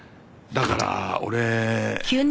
だから俺。